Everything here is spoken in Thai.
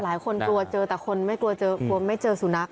กลัวเจอแต่คนไม่กลัวเจอกลัวไม่เจอสุนัข